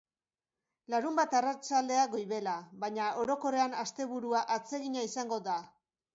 Larunbat arratsaldea goibela, baina orokorrean asteburua atsegina izango da.